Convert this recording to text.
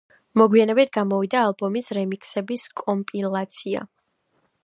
მოგვიანებით გამოვიდა ალბომის რემიქსების კომპილაცია.